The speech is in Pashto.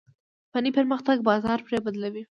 فني پرمختګ بازار پرې بدلوي.